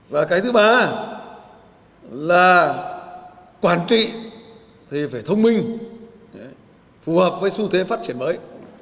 và cái thứ ba là quản trị thì phải thông minh phù hợp với xu thế phát triển mới